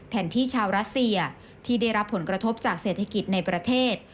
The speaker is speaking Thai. แทนที่ชาวรัสเซียที่ได้รับผลกระทบจากเศรษฐกิจในประเทศ